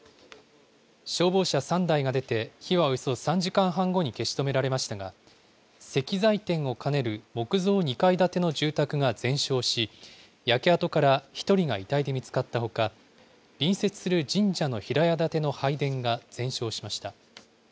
消防車３台が出て火はおよそ３時間半後に消し止められましたが、石材店を兼ねる木造２階建ての住宅が全焼し、焼け跡から１人が遺体で見つかったほか、隣接する神社の平屋建ての拝殿が全焼しました。